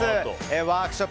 ワークショップ